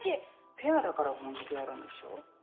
ペアだから本気でやるんでしょ